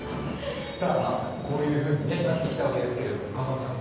さあこういうふうになってきたわけですけれども河上さん